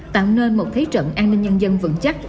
tạo nên một thế trận an ninh nhân dân vững chắc